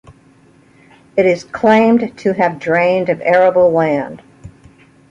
It is claimed to have drained of arable land.